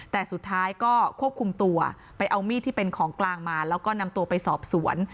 แต่สุดท้ายก็ควบคุมตัวไปเอามีดที่เป็นของกลางมาแล้วก็นำตัวไปสอบสวน